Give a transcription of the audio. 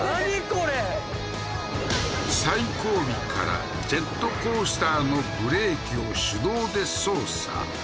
これ最後尾からジェットコースターのブレーキを手動で操作